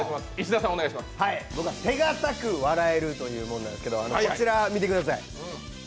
僕は手堅く笑えるというのですがこれ見てください。